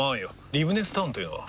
リブネスタウンというのは？